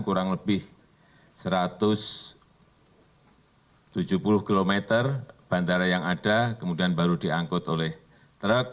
kurang lebih satu ratus tujuh puluh km bandara yang ada kemudian baru diangkut oleh truk